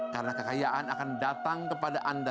karena kekayaan akan datang kepada manusia